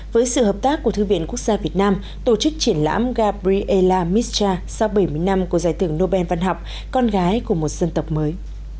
với sự hợp tác của thư viện quốc gia việt nam tổ chức triển lãm gabriela mischa sau bảy mươi năm của giải tưởng nobel văn học con gái của một dân tộc mới